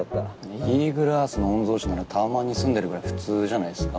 イーグルアースの御曹司ならタワマンに住んでるぐらい普通じゃないっすか？